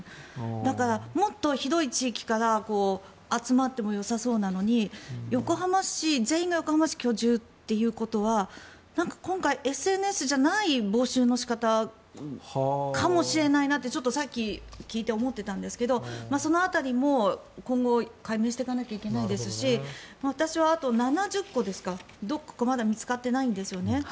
だから、もっと広い地域から集まってもよさそうなのに全員が横浜市居住ということはなんか今回ＳＮＳじゃない募集の仕方かもしれないなってちょっとさっき、聞いて思ってたんですけどその辺りも今後、解明していかないといけないですし私は、あと７０個ですかまだ見つかってないんですよね。